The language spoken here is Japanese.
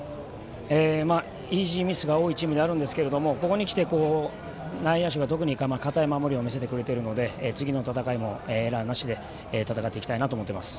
イージーミスの多いチームではあるんですけどもここにきて内野手が堅い守りを見せてくれているので次の試合もエラーなしで戦っていきたいと思います。